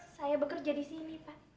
saya bekerja disini pak